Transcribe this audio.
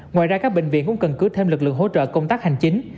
ngoài ra các bệnh viện cũng cần cứ thêm lực lượng hỗ trợ công tác hành chính